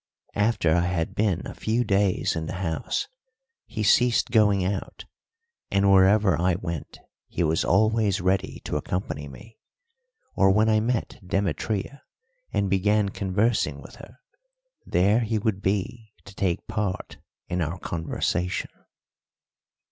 After I had been a few days in the house he ceased going out, and wherever I went he was always ready to accompany me, or when I met Demetria and began conversing with her, there he would be to take part in our conversation.